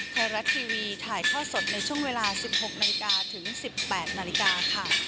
ไทยรัฐทีวีถ่ายทอดสดในช่วงเวลา๑๖นาฬิกาถึง๑๘นาฬิกาค่ะ